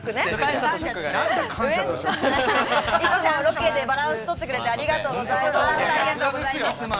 いつもロケでバランスとってくれて、ありがとうございます。